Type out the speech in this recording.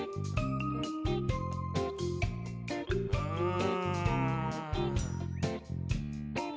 うん。